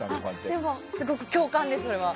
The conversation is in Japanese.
でも、すごく共感です。